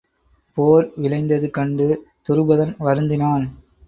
போர் விளைந்தது கண்டு துருபதன் வருந்தினான்.